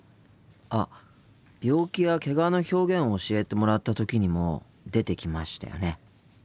あっ病気やけがの表現を教えてもらった時にも出てきましたよね？